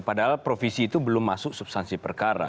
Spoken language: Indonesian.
padahal provisi itu belum masuk substansi perkara